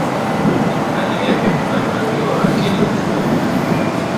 kwa ajili ya mikutano ya kiroho Lakini Waislamu wanaweza kuchukua